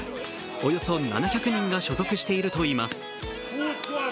およそ７００人が所属しているといいます。